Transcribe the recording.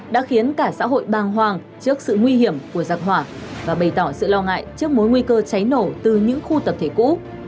đã khiến cả xã hội bàng hoàng trước sự nguy hiểm của giặc hỏa và bày tỏ sự lo ngại trước mối nguy cơ cháy nổ từ những khu tập thể cũ